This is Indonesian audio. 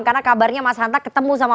karena kabarnya mas hanta ketemu sama